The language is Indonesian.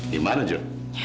di mana jur